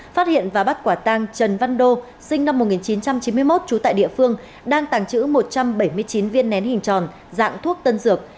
phát hiện và bắt quả tăng trần văn đô sinh năm một nghìn chín trăm chín mươi một trú tại địa phương đang tàng trữ một trăm bảy mươi chín viên nén hình tròn dạng thuốc tân dược